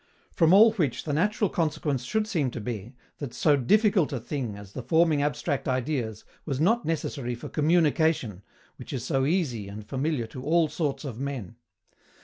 From all which the natural consequence should seem to be, that so DIFFICULT a thing as the forming abstract ideas was not necessary for COMMUNICATION, which is so EASY and familiar to ALL SORTS OF MEN.